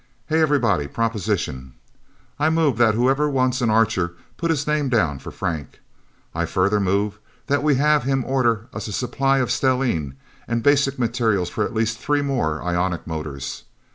Hey, everybody! Proposition! I move that whoever wants an Archer put his name down for Frank. I further move that we have him order us a supply of stellene, and basic materials for at least three more ionic motors.